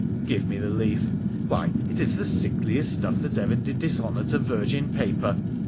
' Give me the leaf ! Why, it is the sickliest stuff that ever did dishonour to virgin paper